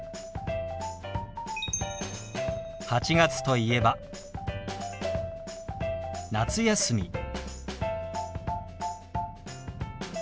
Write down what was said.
８月といえば「夏休み」。